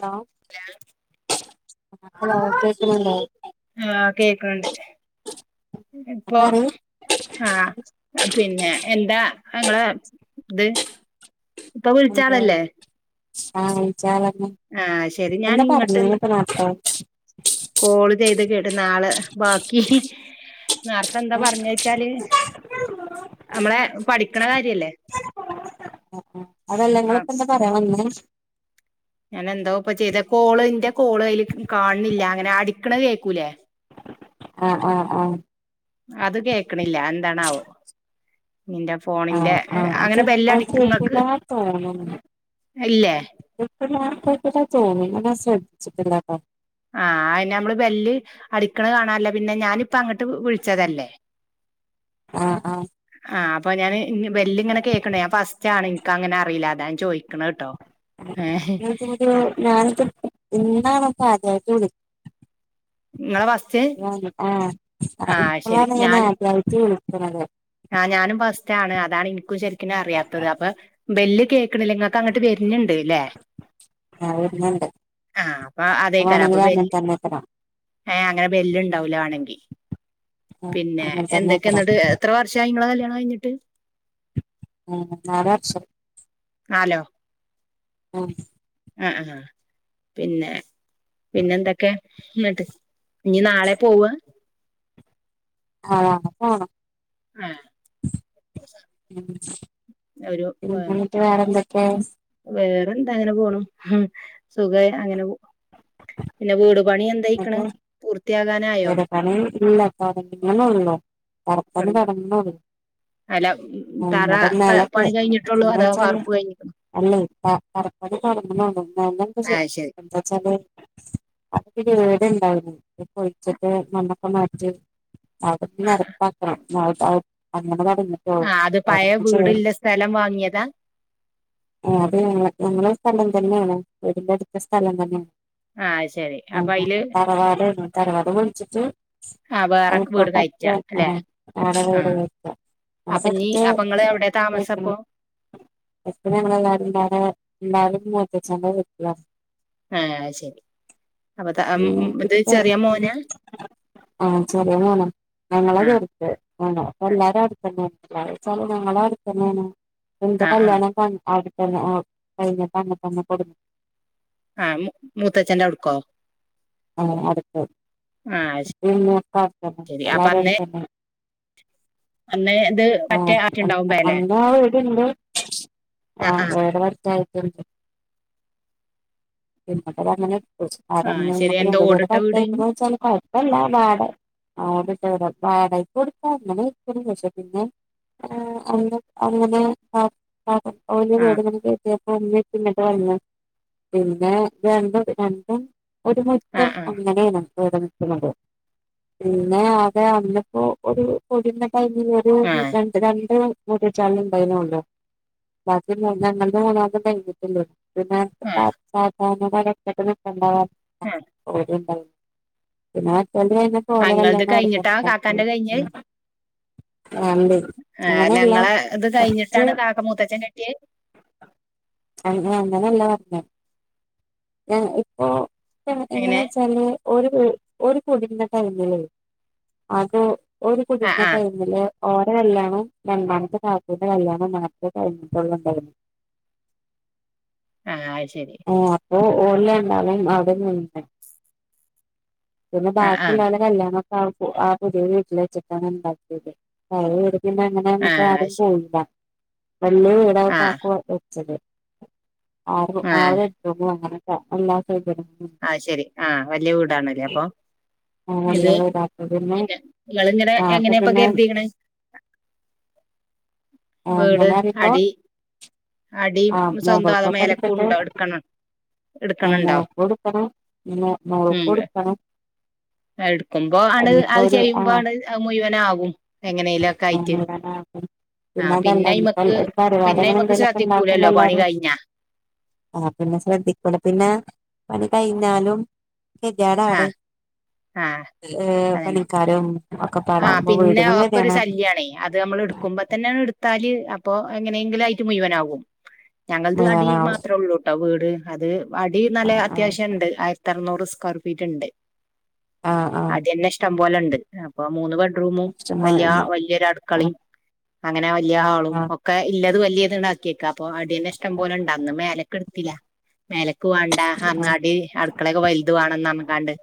Hello hello കേക്കുന്നുല്ലേ ആഹ് കേക്കണണ്ട് ഇപ്പൊ പറയ് ആഹ പിന്നെ എന്താ ങ്ങളെ ഇത് ഇപ്പൊ എന്ത് വിളിച്ചാളല്ലേ ആ വിളിച്ചാ- ആഹ ശരി ഞാന ഇങ്ങോട്ട്ന്ന് നേരത്തെ കോള് ചെയ്ത് കേട്് ന ആാള് ബാക്കി നേരത്തെ എന്താ പറഞ്ഞ വച്ചാല് നമ്മളെ പഠിക്കണ കാര്യല്ലേ ആഹ് അതെല്ലെങ്ങൊക്കെന്താ പറയാം ഞാൻ എന്തോ ഇപ്പ ചെയ്ത കോള് ഇന്റെ കോള് അൽ കാണണില്ല അങ്ങനെ അടിക്കണ കേക്കൂലേ ആഹ ആഹ ആഹ അത് കേക്കണില്ല എന്താണാവോ നിന്റെ ഫോണിന്റെ ആഹ് ആഹ് അത് അങ്ങനെപ്പോ എല്ല അത് കേട്ടില്ലാ അടിക്കുന്നുക്കെണ്ട് ഇല്ലേ ക്കക്കട്ട [unintelligible] തോന്ന ശ്രദ്ധിച്ചട്ടില്ലാക്ക ആഹ അതിനെ നമ്മള് വെല്ല് അടിക്കണ കാണാനല്ല പിന്നെ ഞാനിപ്പ അങ്ങട്ട് വിളിച്ചതല്ലേ [inaudible] ആഹ ആഹ അപ്പോൾ ഞാൻ ബെൽ ഇങ്ങ്നെ കേക്കേ ഫസ്റ്റ് എനിക്ക് അങ്ങന അയില്ല അത ഞാൻ ചോദിച്ചേ ഞാന [unintelligible] ഇന്നാണ് ആദ്യമായിട്ട് വിളിക്കുന്നത് മവാസ [unintelligible] ആ ശരി ഇപ്പോളാണ് ഞൻ ഞാന് ആദ്യമായിട്ട് വിളിക്കുന്നത് ആ ഞാനും ഫസ്റ്റ് ആണ് അതാണ് എനിക്കും കേക്കണില്ല നിങ്ങക്ക് അങ്ങോട്ട് വരരുന്നുണ്ട്ല്ലേ ആഹ് വരുന്നുണ്ട് ആഹ അപ്പൊ അത് അതേക്കരാ അപ്പൊ വേണെങ്കില് അങ്ങനെ വല് തന്നേക്കാരം ഏ അങ്ങനെ ബെല് ഉണ്ടാവൂല ആണെങ്കിൽ ആഹ് പിന്നെ അങ്ങനെ എന്തൊക്കെയ തന്നേക്കാരം എന്നോട്ട് ഇങ്ങളെ കല്യാണം കഴിഞ്ഞിട്ട് ഉം ആറച്ച [unintelligible] ആാലോ ഉം ആഹ ആ പിന്നെ പിന്നെ എന്തൊക്കെ എന്നിട്ട് ഇനി നാളെ പോവ ആഹ ആഹ ഒരു ഏ, പിന്നെ വേറെന്തക്ക വേറെന്താ അങ്ങനെ പോണു സുഖ അങ്ങനെ പിന്നെ വീട്- പണി എന്തായിക്കണ് പൂർത്തിയാകാനായോ എടെ പണിയ ഇല്ല സറങ്ങനെ ഉള്ളോ [unintelligible] കറപ്പന്ന തൊടങ്ങണോ കടങ്ങുന്ന [unintelligible] അല്ല തറ അങ്ങന പണി കഴിഞ്ഞിട്ടുള്ളൂ അതോ വെച്ചല് വാർപ്പ് കഴിഞ്ഞിക്കണോ അല്ലേ തറപ്പണി തോട്ങ്ങളൊള്ളൂ [unintelligible] ആഹ് ശരി എന്താച്ചാല് വേട്ണ്ടാവുന്നു പൊഴിച്ചിട്ട് മണ്ണൊക്കെ മാറ്റി അത ആഹ് നരപ്പാക്കണം [unintelligible] അങ്ങനെ പ ആ അത് പഴ വീട്ല്ല സ്ഥലം വാങ്ങിയതാ അത് ഞ ഞങ്ങളെ സ്ഥലം തന്നെയാണ് വീടിന്റെ അടുത്ത സ്ഥലം തന്നെയാണ് ആഹ് ശെ ഉ തർവാഡെഞ്ഞു തറവാട് പൊളിച്ചിട്ട് ആഹ് വേറെ അല്പ്പ വീട് പ കയറ്റാ ത്തെ അല്ലെ ആടെ വീട് ആഹ് വെക്കാ അപ്പൊ ഇനി അപ്പൊ ഇങ്ങള് [unintelligible] എവിടെ താമസം തായ്കുണു ഇപ്പൊ എപ്പ ഞങ്ങെല്ലാരും ന്റാടെ ല്ലാരും മുത്തച്ഛന്റെ വീട്ടില ആഹ് ശരി അപ്പൊത് അം പിന്നെ ഇത് ഇതിപ്പോ ചെറിയ മോന ആഹ് ചെറിയ മോനാ ശെങ്ങനോ അങ്ങള ആഹ് ചെർത് അ അപ്പ ആഹ് ശ- എല്ലാരും അടുത്തന്നെ ചാല് ഞങ്ങളെ അട്തന്നെണ് പ്പ ന്റെ ആഹ് ആഹ് കല്യാണം പാൺ അട് ആ കൈഞ്ഞപ തന്ന തന്ന കൊടു ആഹ് മൂത്തച്ഛന്റെ ഔട്ക്കോ ആ അടുത് ആഹ് [unintelligible] ശരി അപ്പൊ എല്ലാരു അന്ന് അടുത്തന്നെ അന്ന് ഇത് ആ മറ്റേ ആറ്റുണ്ടാവും പേലെ [unintelligible] ണ്ട്ശ് ആ വേറട്തായ് [unintelligible] [unintelligible] വെച്ചാല് ആ ശരി എന്തോ ഓടിട്ട വീട് കഴിഞ്ഞു കുഴപ്പമല്ലാടെ അ ഓണ്ട് വാടായി കൊടുക്കാങ്ങനെ പക്ഷെ പിന്നെ ആ അങ്ങനെഓ ആ വീട വന്നി പിന്നിട്ട് പറഞ്ഞു പിന്നെ രണ്ടും രണ്ടും ഒരു ആ ചെൽ ആ അങ്ങ്നെണ് ടേ വിക്കുന്നത് പിന്നെ അത അന്നപ്പോ ഒരു കൊടിന്നെ അഞ്ഞൂറ് ആ രണ്ട് രണ്ട് ക്കൂട്ടി ചാലും ണ്ടൈനല്ലോ ആ [unintelligible] [unintelligible] ആഹ് ഓര്ണ്ടാവും പിന്നെ [unintelligible] ആ നിങ്ങളത് കഴിഞ്ഞിട്ടാ വേണ്ട കാക്കാന്റെ കഴിഞ്ഞ് ആ, അല്ല അങ്ങനെയല്ല നിങ്ങളെ ഇത് [unintelligible] കഴിഞ്ഞിട്ടാണ് കാക്ക മൂത്തച്ഛൻ കെട്ടിയത് ആ അങ്ങനെയല്ല പറഞ്ഞേ ഞ ഇപ്പോഎങ്ങനെ എങ്ങനെ വെച്ചാല് ഒരു ഒരു കുടുന്ന ടൈമില് അത് ഒരു ആ കുടുന്ന ആ ടൈമില് ഓരെ കല്യാണം രണ്ടാമത്തെ നാത്തൂന്റെ കല്യാണം മാത്രെ കഴിഞ്ഞിട്ടള്ളണ്ടായി [inaudible] ആഹ് ശരി ഓ ഓലെ ണ്ടാളീം അവിടെന്നന്നെ പിന്നെ ആ ആ ബാക്കിള്ളലെ കല്യാണം ആപൂ ആ പുതിയ വീട്ടിലെചിട്ടാണ് ണ്ടാക്കിയത് പിന്നെ അങ്ങനെ ആ നമക്ക് ആരും അത് ശരി പോവില്ല വല്യ വീടാ ആ കാകു വെച്ചത് ആറ് ആ ആറ് എടു അങ്ങന എല്ലാ സൗകര്യങ്ങളും ആ ശെരി ആ വല്യ വീടാണല്ലേ അപ്പൊ നല്ല ഇത് വീടാ അപ്പൊ പിന്നെ ങ്ങൾങ്ങനെ ആ അപ്പൊ എങ്ങനെപ്പൊ പിന്നെ കരുതിക്കണേ [inaudible] ആ അങ്ങനെ റിയുമ്പോ അടി ആ മൊകൾ സ്വന്തം അതോ ക്കൊക്കെട്ത്തിട്ട് മേലക്കുണ്ടോ എടുക്കണം ആ എടുക്കണുണ്ടോ മോൾക്കെടുക്കണം പിന്നെ ഉം മോൾക്കെടുക്കണം എടുക്കുമ്പോ ആണ് അത് ആ ചെയ്യുമ്പോ ആണ് അത് മുഴുവനാകും എങ്ങനെയിലൊക്കെ ആയിട്ട് നൂറാനാകും. പിന്നെ ആഹ് അതല്ല പിന്നെ ഇനിയിപ്പോ അയ്മക്ക് ഒരു പരിപാടി പിന്നെ അങ്ങനെ അയ്മക്ക് എന്തെലുമൊക്കെ ഉണ്ടാക്കുമ്പോ ശ്രദ്ധിക്കൂലല്ലോ പണി എല്ലാരും കഴിഞ്ഞാ ആ പിന്നെ ശ്രദ്ധിക്കണം പിന്നെ പണി കഴിഞ്ഞാലും കെതിയേടാണ് ആഹ് ആഹ് ഏഹ് അതന്നെ പണിക്കാരും ഒക്കെ ആഹ് പാടാവുമ്പോ പിന്നെ വീടിനും ഒക്കെ ഒരു കെതിയേടാണ് ശല്യാണേ അത് നമ്മൾ എടുക്കുമ്പോ തന്നെ എടുത്താല് അപ്പൊ എങ്ങനെയെങ്കിലും ആയിട്ട് മുഴുവനാകും ഞങ്ങളത് അടി മുഴുവനാവും മാത്രേ ഉള്ളൂട്ടോ വീട് അത് അടി നല്ല ആഹ് അത്യാവശ്യം ഉണ്ട് ആയിരത്തി അറുന്നൂറ് സ്ക്വയർ ഫീറ്റ് ഉണ്ട് ആഹ് ആഹ് ആഹ് അടിന്നെ ഇഷ്ടം പോലെ ഉണ്ട് അപ്പൊ മൂന്ന് ബെഡ്റൂമും വലിയ കസ്റ്റമർണ്ട് വലിയൊരു ആഹ് അടുക്കളയും അങ്ങനെ വലിയ ഹാളും ആഹ് ഒക്കെ ഇല്ലത് വലിയത് ഇണ്ടാക്കിയേക്ക അപ്പൊ അടിയന്നെ ഇഷ്ടം പോലെ ഇണ്ട് അന്ന് മേലക്ക് എടുത്തില്ല മേലക്ക് വേണ്ട അങ്ങാടി അടുക്കളയൊക്കെ വലുത് വേണംന്നർഞ്ഞ്ക്കാണ്ട്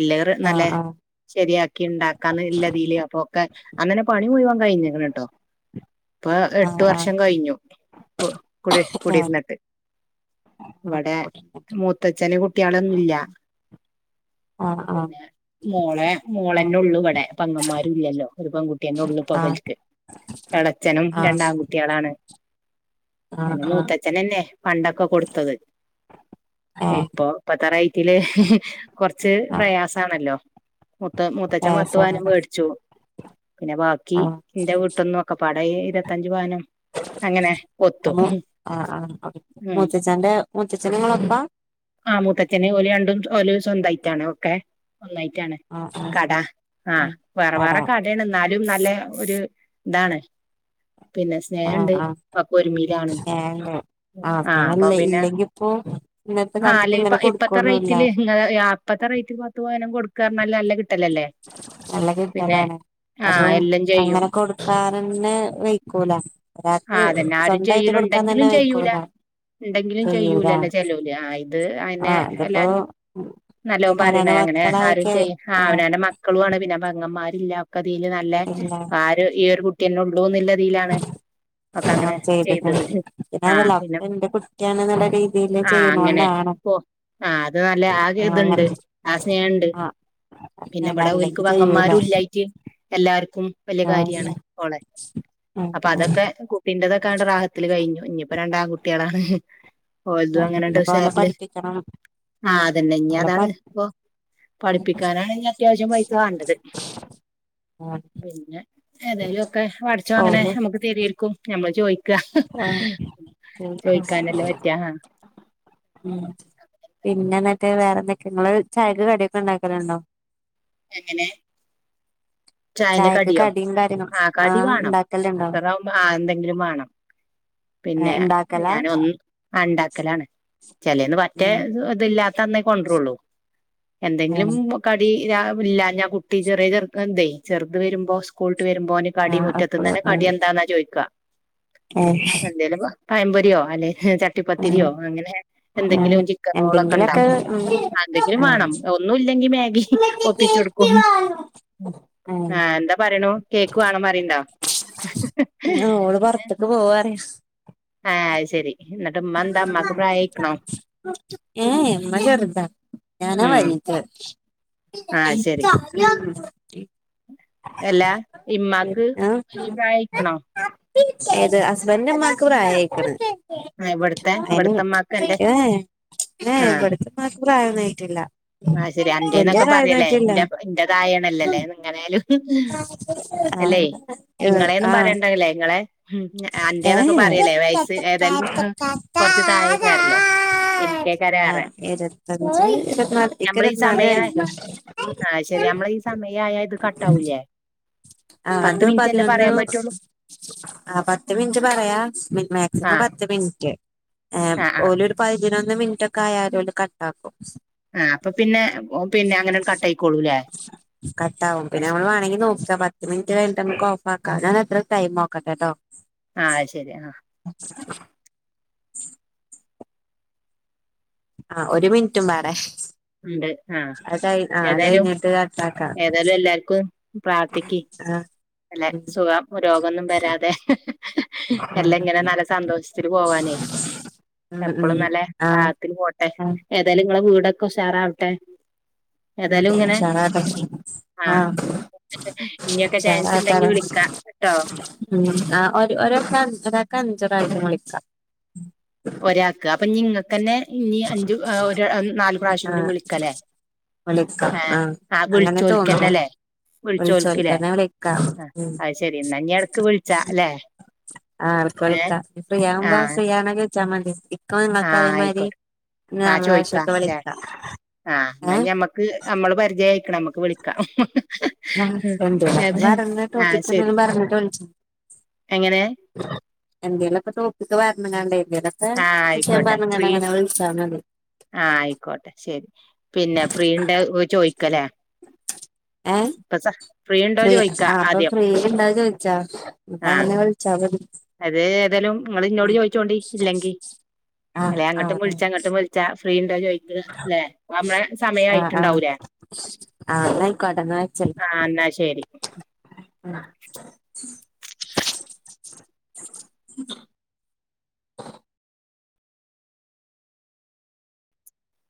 ഇല്ലറ് നല്ല ആഹ് ആഹ് ആഹ് ശരിയാക്കി ഇണ്ടാക്കാന്ന് ഇല്ലതില് അപ്പൊ ഒക്കെ അങ്ങനെ പണി മുഴുവൻ കഴിഞ്ഞ്ക്ക്ണ് ട്ടോ ഇപ്പൊ എട്ട് ആഹ് വർഷം ആഹ് കഴിഞ്ഞു കുടി ആഹ് ആഹ് ആഹ് കുടിര്ന്നിട്ട് ഇവിടെ മൂത്തച്ഛന് കുട്ട്യാളൊന്നുല്ല ആഹ് പിന്നെ മോളെ മോളെന്നെ ഉള്ളു ഇവിടെ പെങ്ങന്മാരും ഇല്ലല്ലോ ഒരു പെൺകുട്ടിയന്നെ ഉള്ളു ഇപ്പൊ ആഹ് ഇവൽക്ക് എളച്ചനും ആഹ് രണ്ടാൺകുട്ട്യാളാണ് ആഹ് അയ്ന് ആഹ് മൂത്തച്ഛനന്നെ പണ്ടൊക്കെ കൊടുത്തത് ഏഹ് ഇപ്പൊ ഇപ്പത്തെ റേറ്റില് കൊറച്ച് ആഹ് പ്രയാസാണല്ലോ മൂത്ത മൂത്തച്ഛൻ പത്ത് പ്രയാസാണ് പവനും മേടിച്ചു പിന്നെ ബാക്കി ആഹ് എന്റെ വീട്ടൊന്നും ഒക്കെപ്പാടെ ഇരുപത്തഞ്ച് പവനും അങ്ങനെ ഒത്തു അമ്മു ആഹ് ആഹ് ഓക്കെ ഉം മൂത്തച്ഛന്റെ മൂത്തച്ഛന് ഇങ്ങളൊപ്പാ ആ മൂത്തച്ഛന് ഓല് രണ്ടും ഓല് സ്വന്തായിട്ടാണ് ഒക്കെ ഒന്നായിട്ടാണ് ആഹ് ആഹ് കട ആഹ് ആഹ് വേറെ വേറെ പാടാ കടയാണ് എന്നാലും നല്ല ഒരു ഇതാണ് പിന്നെ ആഹ് സ്നേഹണ്ട് ആഹ് ഒക്കെ ഒരുമയിലാണ് ഏഹ് ഇണ്ട് ആഹ് ആഹ് അപ്പൊ സ്നേഹല്ല പിന്നെ ഇല്ലെങ്കിപ്പോ ഇന്നത്തെ ആഹ് കാലത്ത് ഇപ്പ അല്ലെങ്കി ഇപ്പ ഇങ്ങനെ ഇപ്പത്തെ കൊടുക്കൊന്നുല്ല റേറ്റില് ഇങ്ങ അപ്പത്തെ റേറ്റിൽ പത്ത് പവനും കൊടുക്കാറഞ്ഞാല് നല്ല കിട്ടലല്ലേ നല്ല പിന്നെ കിട്ടലാണ് ആഹ് അതും എല്ലാം ചെയ്യും അങ്ങനെ കൊടുക്കാനന്നെ വെയ്ക്കൂല ഒരാൾക്ക് ആഹ് അതന്നെ ആരും സ്വന്തായിട്ട് കൊടുക്കാൻ തന്നെ ചെയ്യലുണ്ടെങ്കിലും ചെയ്യൂല വെയ്ക്കൂല ഉണ്ടെങ്കിലും ചെയ്യൂല ചെയ്യൂലല്ലോ ചെലോല് ആഹ് ഇത് അയിനെ ആഹ് ഇതിപ്പോ എല്ലാരും നല്ലോം പറയണേ അവനവന്റെ അങ്ങനെ ആരും മക്കളായിക്കെ ചെയ്യ ആ ആഹ് അവനവന്റെ മക്കളും ആണ് പിന്നെ പെങ്ങന്മാരില്ല ഒക്കെ ഇതില് നല്ല ഇല്ല ആര് ഈ ഒരു കുട്ടിയന്നെ ഉള്ളൂ എന്നുള്ളതിലാണ് ഒക്കെ അങ്ങനെ ആഹ് ചെയ്ത്ക്ക്ണ് ചെയ്തത് ആഹ് പിന്നതല്ല പിന്നെ ഒക്കെ ഇന്റെ കുട്ടിയാണ്ന്ന്ള്ള രീതിയില് ആഹ് അങ്ങനെ ചെയ്യ്ണോണ്ടാണ് പോ ആഹ് അത് നല്ല ആകെ ആഹ് ഇതുണ്ട് അങ്ങനെ ആ സ്നേഹണ്ട് ആഹ് പിന്നെ അങ്ങനെയാണ് ഇവിടെ ഓൽക്ക് അല്ലെങ്കി ചെയ്യൂല പെങ്ങന്മാരും ഇല്ലായിട്ട് എല്ലാർക്കും വലിയ ആഹ് ഇല്ല കാര്യാണ് ഓളെ ആഹ് അപ്പൊ ആഹ് അതൊക്കെ കുട്ടീന്റെതൊക്കാണ്ട് റാഹത്തില് കഴിഞ്ഞു ഇനിയിപ്പോ രണ്ടാൺകുട്ടികളാണ് ഓലതും ആഹ് അങ്ങനെണ്ട് ഇഞ്ഞ്പ്പോ ഓലെ ഉഷാറില് പഠിപ്പിക്കണം ആഹ് അതന്നെ ഇനി ഓലെ അതാണ് പഠി ഇപ്പൊ പഠിപ്പിക്കാനാണെങ്കി അത്യാവശ്യം പൈസ വേണ്ടത് പിന്നെ ഏതായാലും ഒക്കെ പടച്ചോൻ അങ്ങനെ ഓല് നമുക്ക് തരുവായിരിക്കും ഞമ്മള് ചോദിക്കുക ആഹ് ചോദിക്കാനല്ലേ പറ്റാ ആ ഉം പിന്നെ എന്നിട്ട് വേറെന്തൊക്കെ നിങ്ങള് ചായക്ക് കടിയൊക്കെ ഉണ്ടാക്കലുണ്ടോ എങ്ങനെ ചായന്റെ ചായക്ക് കടിയോ കടിയും കാര്യങ്ങളും ആ കടി ആഹ് വേണം ഉണ്ടാക്കലുണ്ടോ അസറാവുമ്പോ ആ എന്തെങ്കിലും വേണം പിന്നെ ഉണ്ടാക്കലാ ഞാൻ ഒന്ന് ആ ഉണ്ടാക്കലാണ് ചിലേന്ന് പറ്റേ ഉം ഇതില്ലാത്ത അന്നേ കൊണ്ടുവരുള്ളൂ എന്തെങ്കിലും ആഹ് കടി ഇല്ല ഞാൻ കുട്ടി ചെറിയ ചെറുക്ക എന്തേ ചെറുത് വരുമ്പോ സ്കൂളിട്ട് വരുമ്പോ ഓന് കടി ആഹ് മുറ്റത്തുനിന്ന് അപ്പള് തന്നെ കടി ആഹ് എന്താന്നാ ചോദിക്കുക ഏഹ് എന്തേലും പഴംപൊരിയോ അല്ലെ ആഹ് ചട്ടിപ്പത്തിരിയോ അങ്ങനെ ആഹ് എന്തെങ്കിലും ചിക്കൻ റോളൊക്കെ ഉണ്ടാവും എന്തെങ്കിലൊക്കെ ഉം എന്തെങ്കിലും ആഹ് വേണം ഒന്നും ഇല്ലെങ്കി മാഗി ഒപ്പിച്ചു കൊടുക്കും ആഹ് ആ എന്താ പറയണു കേക്ക് വേണം പറയണ്ടോ ഓള് പൊറത്തേക്ക് പോവാ പറയാ ആ ശരി എന്നിട്ട് ഉമ്മ എന്താ ഉമ്മാക്ക് പ്രായക്കണോ ഏഹ് ഇമ്മ ചെറുതാ ഞാനാ ഉം വലുത് ആ ശരി അല്ല ഇമ്മാക്ക് ആഹ് വലിയ പ്രായക്കണോ ഏത് ഹസ്ബൻഡിന്റെ ഉമ്മാക്ക് പ്രായായിക്കണ് ഇവിടുത്തെ ഇവിടുത്തെ ഉമ്മാക്ക് എന്റെ ഏഹ് ഏ ആ ഇവിടുത്തെ ഉമ്മാക്ക് പ്രായൊന്നും ആയിട്ടില്ല ആ ശരി വല്യ അന്റേന്നൊക്കെ പ്രായൊന്നും പറയല്ലേ ആയിട്ടില്ല എന്റെ എന്റേതായണല്ലേ നിങ്ങനാലും ആ അല്ലേ ആ ഏ നിങ്ങളെയൊന്നും പറയണ്ടല്ലേ നിങ്ങളെ ഉം, അന്റേന്നൊക്കെ പറയല്ലേ വയസ്സ് ഏതായാലും ആ, കുറച്ച് താഴേക്കാരല്ലോ ആ എനിക്കേക്കാരേറെ ഇരുപത്തഞ്ച് ഇരുപത്തിനാല് ഇക്ക് നമ്മൾ ഈ ഇരുപത്തിനാല് സമയം വയസ്സ് ആഹ് ശരി നമ്മളെ ഈ സമയായ ഇത് കട്ടാവൂലേ ആ പത്ത് അത് മിനിറ്റല്ലേ പതിനൊന്ന് പറയാൻ പറ്റുള്ളൂ ആ പത്ത് മിനിറ്റ് പറയാ മാക്സിമം ആഹ് പത്ത് മിനിറ്റ് ആഹ് ആഹ് ഓലൊരു പതിനൊന്ന് മിനിറ്റ് ഒക്കെ ആയാലും ഓല് കട്ടാക്കും ആഹ് അപ്പൊ പിന്നെ ഓ, പിന്നെ അങ്ങനെ കട്ടായിക്കോളൂല്ലേ കട്ടാവും അത് പിന്നെ ശരി നമ്മള് വേണെങ്കി ആഹ് നോക്കാ പത്ത് മിനിറ്റ് കഴിഞ്ഞിട്ട് നമുക്ക് ഓഫ് ആക്കാം ഞാൻ എത്ര ടൈം നോക്കട്ടെട്ടോ ആഹ് ശരി ആഹ് ആ ഒരു മിനിറ്റും പാടെ ഉണ്ട് ആഹ് അത് കഴി ആ അത് ഏതായാലും കഴിഞ്ഞിട്ട് കട്ടാക്കാം ഏതായാലും എല്ലാർക്കും പ്രാർത്ഥിക്ക് ആ അല്ലെ ഉം സുഖം രോഗൊന്നും വരാതെ എല്ലാം ഉം ഇങ്ങനെ നല്ല സന്തോഷത്തില് പോവാനേ ഉം ഉം എപ്പളും നല്ല ആ റാഹത്തില് പോട്ടെ ആ ഏതായാലും ഇങ്ങളെ വീടൊക്കെ ഉഷാറാവട്ടെ ഉം ഏതായാലും ഇങ്ങനെ ഉഷാറാവട്ടെ ആ ആഹ് ഇനിയൊക്കെ ചാൻസ് ഉഷാറാവട്ടെ ഉണ്ടെങ്കി പറ വിളിക്കാ ട്ടോ ഉം ആ ഒരു ഒരാൾക്ക് ഒരാൾക്ക് അഞ്ച് പ്രാവശ്യം വിളിക്കാം ഒരാൾക്ക് അപ്പൊ നിങ്ങൾക്കന്നെ ഇനി അഞ്ചു ഒരു നാല് പ്രാവശ്യം ആ കൂടി വിളിക്കല്ലേ വിളിക്കാം ഏഹ് ആ ആ അങ്ങനെ തോന്നുണു വിളിച്ചോൽക്കന്നെല്ലേ വിളിച്ചോൽക്കില്ലേ വിളിച്ചോൽക്കന്നെ വിളിക്കാം ആ ഉം അത് ശരി എന്നാ ഇനി ഇടക്ക് വിളിച്ചാ അല്ലേ ആ അവർക്ക് ഏഹ് വിളിക്കാം ഫ്രീ ആവുമ്പോ ആഹ് ഫ്രീ ആണോ ചോദിച്ചാ മതി ഇക്കും നിങ്ങൾക്ക് ആഹ് അതേമാതിരി ആയിക്കോട്ടെ ആ നാല് ചോയിക്കാ പ്രാവശ്യൊക്കെ ല്ലേ വിളിക്കാം ആഹ് ഏ എന്നാ ഞമ്മക്ക് നമ്മള് പരിചയായിക്കണ് നമ്മക്ക് വിളിക്കാം ആ എന്തിനൊക്കെ ഏതായാലും പറഞ്ഞ ആഹ് ടോപ്പിക്ക് ശരി എന്തെങ്കിലും പറഞ്ഞിട്ട് വിളിച്ചാ എങ്ങനെ എന്തേലൊക്കെ ടോപ്പിക്ക് പറഞ്ഞ്ങ്ങാണ്ടേ എന്തേലൊക്കെ ആഹ് വിഷയം ആയിക്കോട്ടെ പറഞ്ഞ്ങ്ങാണ്ട് ഫ്രീ അങ്ങനെ വിളിച്ചാ മതി ആഹ് ആയിക്കോട്ടെ ശരി പിന്നെ ഫ്രീ ഉണ്ടോ ചോയിക്കല്ലേ ഏഹ് ഇപ്പൊ ഫ്രീ ഉണ്ടോ ഫ്രീ ചോയിക്കാ ആഹ് അപ്പൊ ആദ്യം ഫ്രീ ഇണ്ടോ ചോയിച്ചാ ആഹ് ന്നട്ടങ്ങനെ വിളിച്ചാ മതി അത് ഏതായാലും നിങ്ങൾ ഇന്നോട് ചോദിച്ചോണ്ടി ഇല്ലെങ്കി ആഹ് അല്ലെ ആഹ് അങ്ങട്ടും ആഹ് വിളിച്ചാ ഇങ്ങട്ടും വിളിച്ചാ ഫ്രീ ഉണ്ടോ ചോദിക്ക അല്ലെ നമ്മളെ ആഹ് ആഹ് സമയായിട്ടുണ്ടാവൂലേ ആഹ് ന്നാ അയ്ക്കോട്ടെ ന്നാ വെച്ചളി ആ എന്നാ ശരി